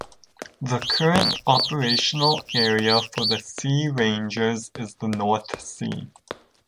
The current operational area for the Sea Rangers is the North Sea.